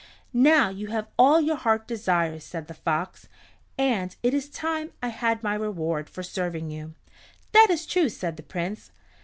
"Now you have all your heart desires," said the fox, "and it is time I had my reward for serving you." "That is true," said the Prince.